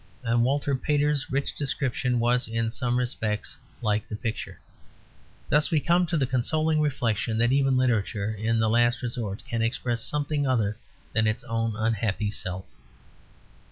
And Walter Pater's rich description was, in some respects, like the picture. Thus we come to the consoling reflection that even literature, in the last resort, can express something other than its own unhappy self.